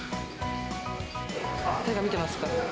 誰か見てますか？